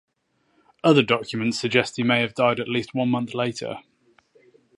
Other documents suggest he may have died at least one month later.